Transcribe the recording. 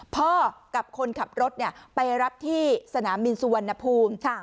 กับคนขับรถไปรับที่สนามบินสุวรรณภูมิ